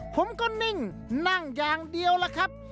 ผมก็นิ่งนั่งอย่างเดียวล่ะครับ